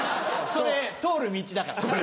それ通る道だから。